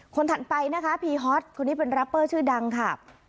ถัดไปนะคะพีฮอตคนนี้เป็นรัปเปอร์ชื่อดังค่ะ